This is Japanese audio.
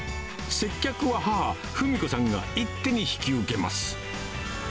接客は母、文子さんが一手に引き受けます。